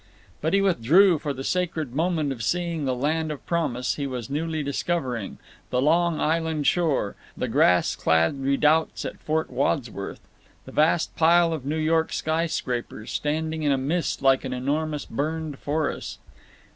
But he withdrew for the sacred moment of seeing the Land of Promise he was newly discovering—the Long Island shore; the grass clad redouts at Fort Wadsworth; the vast pile of New York sky scrapers, standing in a mist like an enormous burned forest.